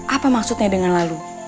apa maksudnya dengan lalu